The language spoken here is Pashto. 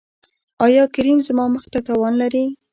ایا کریم زما مخ ته تاوان لري؟